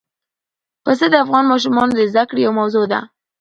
پسه د افغان ماشومانو د زده کړې یوه موضوع ده.